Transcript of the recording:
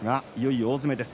大詰めです。